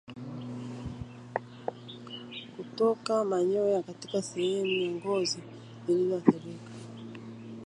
Kutoka manyoya katika sehemu za ngozi zilizoathirika